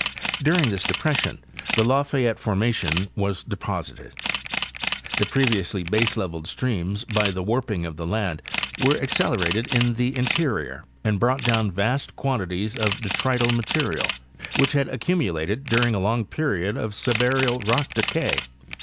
During this depression the La fayette formation was deposited. The previously baseleveled streams, by the warping of the land, were accelerated in the in terior and brought down vast quantities of detrital material which had accumulated during a long period of subaerial rock decay.